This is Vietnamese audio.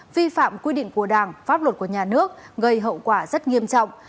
vi phạm quy định của đảng pháp luật của nhà nước gây hậu quả rất nghiêm trọng